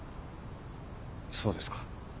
そうですか。